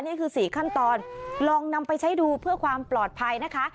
นี่คือ๔ขั้นตอนลองนำไปใช้ดูเพื่อความปลอดภัยนะคะ